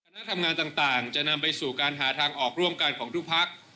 นักทำงานต่างจะนำไปสู่การหาทางออกร่วมกันของทุกพัก